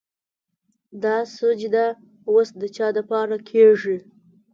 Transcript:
دا سجده وس د چا دپاره کيږي